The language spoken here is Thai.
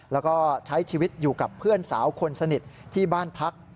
แล้วก็ใช้ชีวิตอยู่กับเพื่อนสาวคนสนิทที่บ้านพัก